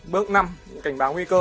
bước năm cảnh báo nguy cơ